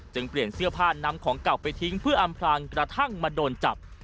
เปลี่ยนเสื้อผ้านำของเก่าไปทิ้งเพื่ออำพลังกระทั่งมาโดนจับ